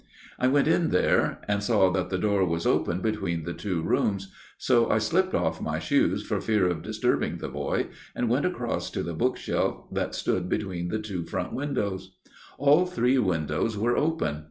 I went in there ; and saw that the door was open between the two rooms, so I slipped off my shoes for fear of disturbing the boy, and went across to the bookshelf that stood between the two front windows. All three windows were open.